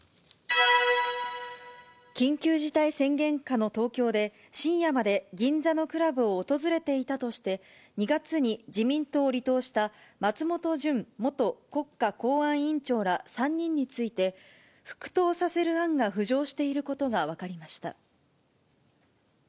緊急事態宣言下の東京で、深夜まで銀座のクラブを訪れていたとして、２月に自民党を離党した松本純元国家公安委員長ら３人について、復党させる案が浮上していることが分かりました。